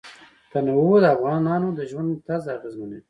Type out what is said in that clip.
تنوع د افغانانو د ژوند طرز اغېزمنوي.